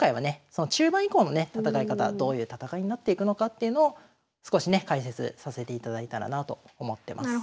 その中盤以降のね戦い方どういう戦いになっていくのかっていうのを少しね解説させていただいたらなと思ってます。